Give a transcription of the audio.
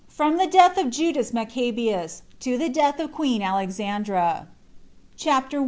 From The Death Of Judas Maccabeus To The Death Of Queen Alexandra. CHAPTER 1.